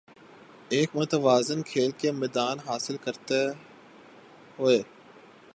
ایک متوازن کھیل کا میدان حاصل کرتے ہوے